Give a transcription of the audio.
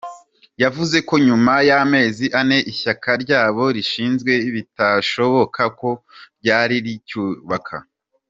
Yavuze ko nyuma y’amezi ane ishyaka ryabo rishinzwe bitashobokaga kuko ryari rikiyubaka.